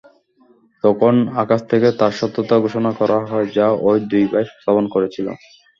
তখন আকাশ থেকে তার সত্যতা ঘোষণা করা হয় যা ঐ দুই ভাই শ্রবণ করেছিল।